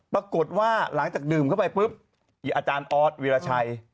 ปรากฏว่าหลังจากดื่มเข้าไปปุ๊บอาจารย์ออสวิราชัย